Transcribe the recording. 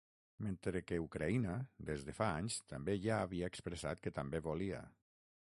Mentre que Ucraïna des de fa anys també ja havia expressat que també volia.